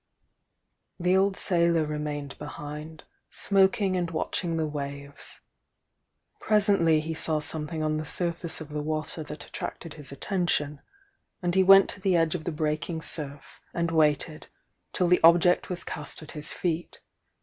The old sailor remained behind, smoking and watching the waves. Presently he saw something on the surface of the watei that attracted his atten tion, and he went to the edge of the breaking surf anu waited till the object was cast at his feet.